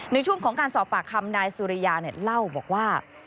ในช่วงของการสอบปากคำนายสุริยาเล่าบอกว่า